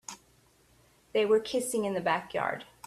They were kissing in the backyard.